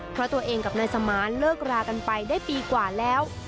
เพราะตัวเองกับนายสมานเลิกรากันไปได้ปีกว่าแล้ว